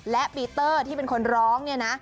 และปีเตอร์ที่เป็นคนร้องเนี่ยนะ